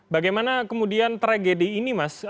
bagaimana kemudian tragedi ini mas